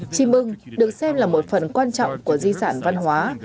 chim ưng được xem là một phần quan trọng của di sản văn hóa